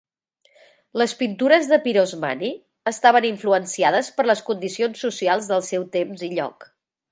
Les pintures de Pirosmani estaven influenciades per les condicions socials del seu temps i lloc.